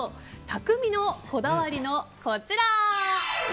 匠のこだわりのこちら。